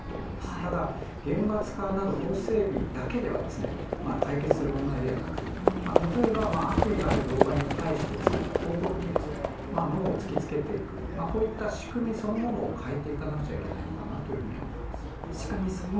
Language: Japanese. ただ厳罰化など法整備だけでは解決する問題ではなく、例えば悪意ある動画に対してついた広告にノーを突きつけていく、仕組みそのものを変えていかなくちゃいけないのかなと思います